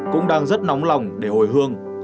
cũng đang rất nóng lòng để hồi hương